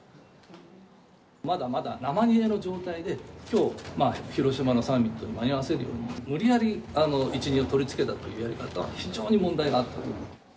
まだまだ生煮えの状態で、きょう、広島のサミットに間に合わせるように、無理やり一任を取り付けたというやり方は非常に問題があったと。